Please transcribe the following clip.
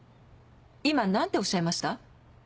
今何ておっしゃいました？